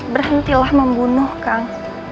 berhentilah membunuh kang